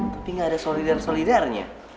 tapi nggak ada solidar solidarnya